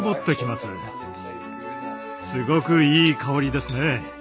すごくいい香りですね！